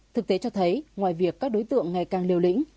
thực tế cho thấy ngoài việc các đối tượng ngày càng liều lĩnh